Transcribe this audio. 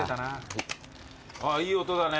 いい音だね。